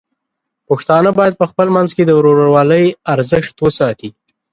پښتانه بايد په خپل منځ کې د ورورولۍ ارزښت وساتي.